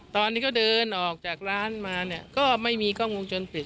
ตอนที่เขาเดินออกจากร้านมาเนี่ยก็ไม่มีกล้องวงจรปิด